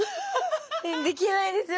できないんですよ